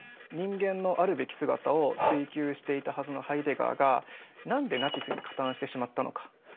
人間のあるべき姿を追究していたはずのハイデガーが何でナチスに加担してしまったのか。